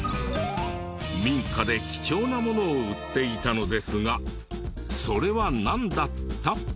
民家で貴重なものを売っていたのですがそれはなんだった？